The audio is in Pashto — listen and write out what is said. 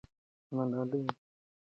ملالۍ پخپلو وینو نوم لیکي.